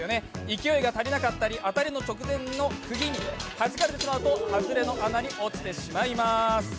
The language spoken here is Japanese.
勢いが足りなかったり、当たりの直前のくぎにはじかれてしまうとはずれの穴に落ちてしまいます。